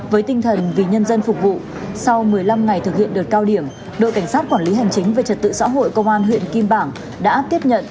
với tinh thần vì nhân dân phục vụ sau một mươi năm ngày thực hiện đợt cao điểm đội cảnh sát quản lý hành chính về trật tự xã hội công an huyện kim bảng đã tiếp nhận